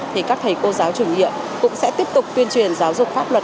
thì các thầy cô giáo chủ nhiệm cũng sẽ tiếp tục tuyên truyền giáo dục pháp luật